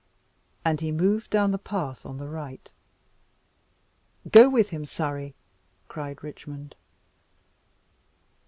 And he moved down the path on the right. "Go with him, Surrey," cried Richmond.